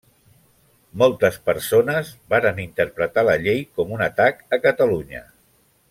Moltes persones varen interpretar la llei com un atac a Catalunya.